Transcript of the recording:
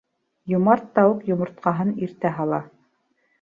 Йомарт тауыҡ йомортҡаһын иртә һала.